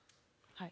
はい。